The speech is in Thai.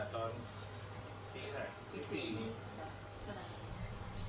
ห้องอย่างที่เกิดมาตอน๔นี้